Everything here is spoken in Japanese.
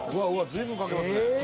随分かけますね